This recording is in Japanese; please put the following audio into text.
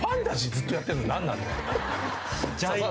ずっとやってるの何なの？